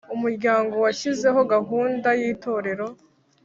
umuryango washyizeho gahunda yitorero